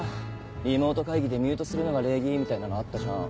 リモート会議でミュートするのが礼儀みたいなのあったじゃん？